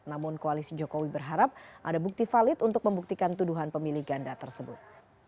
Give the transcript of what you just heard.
namun koalisi jokowi berharap ada bukti valid untuk membuktikan tuduhan pemilih ganda tersebut